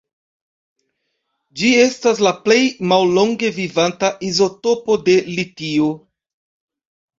Ĝi estas la plej mallonge vivanta izotopo de litio.